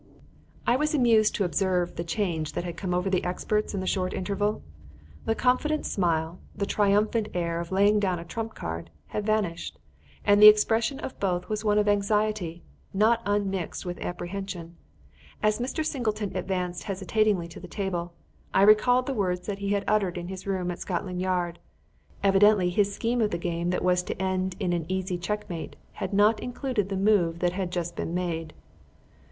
I was amused to observe the change that had come over the experts in the short interval. The confident smile, the triumphant air of laying down a trump card, had vanished, and the expression of both was one of anxiety, not unmixed with apprehension. As Mr. Singleton advanced hesitatingly to the table, I recalled the words that he had uttered in his room at Scotland Yard; evidently his scheme of the game that was to end in an easy checkmate, had not included the move that had just been made.